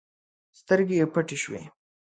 سترګې يې پټې شوې.